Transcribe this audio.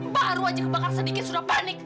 baru saja kau sedikit sudah panik